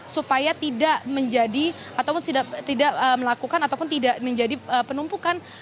supaya tidak menjadi ataupun tidak melakukan ataupun tidak menjadi penumpukan